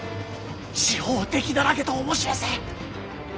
四方敵だらけとおぼし召せ！